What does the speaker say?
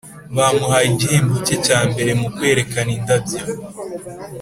bamuhaye igihembo cye cya mbere mu kwerekana indabyo.